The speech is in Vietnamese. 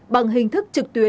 bằng hình thức trực tế